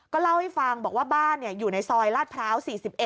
เล่าให้ฟังบอกว่าบ้านอยู่ในซอยลาดพร้าว๔๑